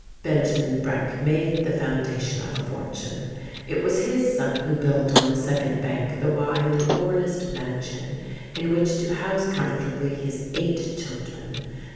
Benjamin Breck made the foundation of a fortune. It was his son who built on the Second Bank the wide, corniced mansion in which to house comfortably his eight children.